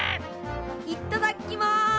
いっただっきます。